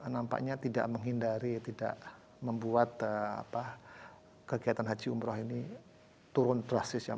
nampaknya tidak menghindari tidak membuat kegiatan haji umroh ini turun drastis yang